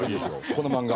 この漫画。